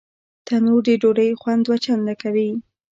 تنور د ډوډۍ خوند دوه چنده کوي